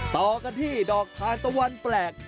ต่อกันที่ดอกทานตะวันแปลก